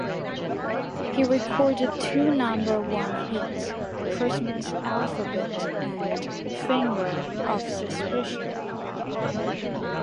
He recorded two number one hits, "Christmas Alphabet" and "Finger of Suspicion".